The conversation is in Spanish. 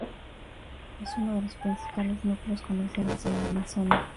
Es uno de los principales núcleos comerciales de la Amazonia.